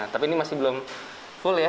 tapi ini masih belum full ya